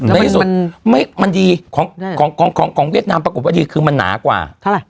ในที่สุดมันดีของเวียดนามปรากฏว่าดีคือมันหนากว่าเท่าไหร่